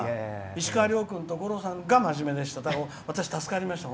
石川遼君と五郎さんが真面目でした。